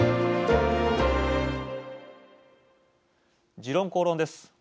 「時論公論」です。